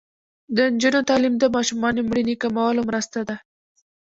د نجونو تعلیم د ماشومانو مړینې کمولو مرسته ده.